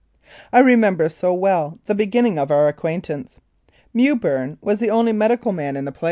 I remember so well the beginning of our acquaintance. Mewburn was the only medical man in the place 1888.